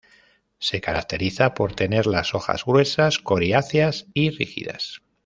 Se caracterizan por tener las hojas gruesas, coriáceas y rígidas.